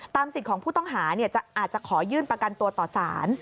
สิทธิ์ของผู้ต้องหาอาจจะขอยื่นประกันตัวต่อสาร